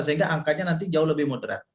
sehingga angkanya nanti jauh lebih moderat